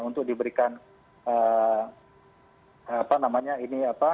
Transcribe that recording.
untuk diberikan apa namanya ini apa